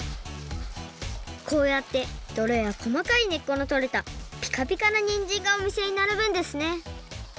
こうやってどろやこまかいねっこのとれたピカピカなにんじんがおみせにならぶんですね